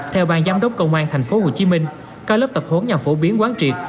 theo bang giám đốc công an tp hcm các lớp tập huấn nhằm phổ biến quán triệt